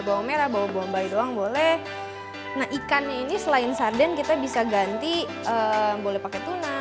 bawang merah bawang bayi doang boleh nah ikannya ini selain sarden kita bisa ganti boleh pakai tuna